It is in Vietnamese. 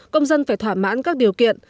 công dân phải thỏa mãn các điều kiện